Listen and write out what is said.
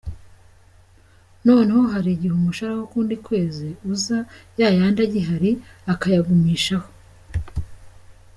Noneho hari igihe umushahara w’ukundi kwezi uza ya yandi agihari, akayagumishaho.